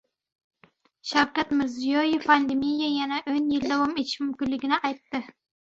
Shavkat Mirziyoev pandemiya yana o‘n yil davom etishi mumkinligini aytdi